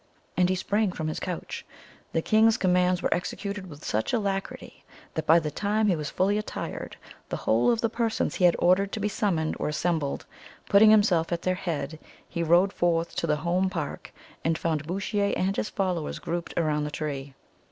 And he sprang from his couch. The king's commands were executed with such alacrity, that by the time he was fully attired the whole of the persons he had ordered to be summoned were assembled. Putting himself at their head, he rode forth to the home park, and found Bouchier and his followers grouped around the tree.